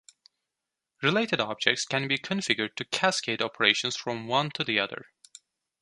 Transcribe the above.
Related objects can be configured to "cascade" operations from one to the other.